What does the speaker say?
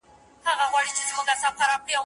ما دي مخي ته کتلای